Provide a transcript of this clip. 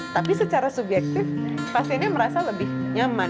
tapi secara subjektif pasiennya merasa lebih nyaman